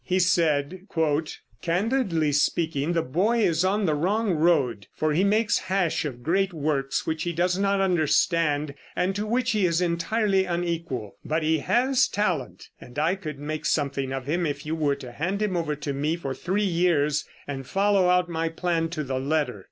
He said: "Candidly speaking, the boy is on the wrong road, for he makes hash of great works which he does not understand, and to which he is entirely unequal. But he has talent, and I could make something of him if you were to hand him over to me for three years, and follow out my plan to the letter.